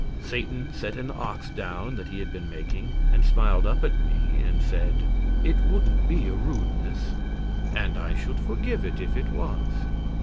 Satan set an ox down that he had been making, and smiled up at me and said: "It wouldn't be a rudeness, and I should forgive it if it was.